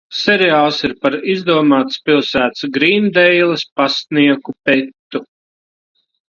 Seriāls ir par izdomātas pilsētas Grīndeilas pastnieku Petu.